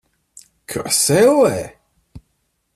Kas, ellē?